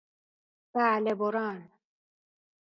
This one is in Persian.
بله بران